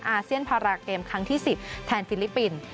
อาเซียนพาราเกมครั้งที่๑๐แทนฟิลิปปินส์